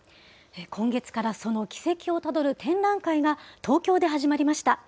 今月からその軌跡をたどる展覧会が東京で始まりました。